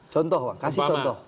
contoh pak kasih contoh